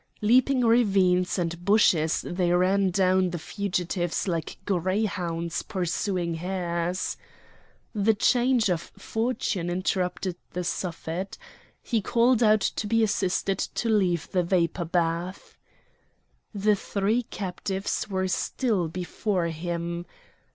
Leaping ravines and bushes they ran down the fugitives like greyhounds pursuing hares. This change of fortune interrupted the Suffet. He called out to be assisted to leave the vapour bath. The three captives were still before him.